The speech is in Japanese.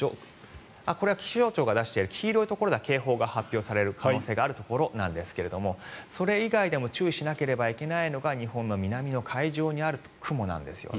これは気象庁が出している黄色いところでは警報が発表される可能性があるところですがそれ以外でも注意しなければいけないのが日本の南の海上にある雲なんです。